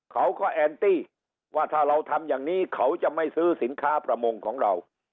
เขาก็แอนตี้ว่าถ้าเราทำอย่างนี้เขาจะไม่ซื้อสินค้าประมงของเรา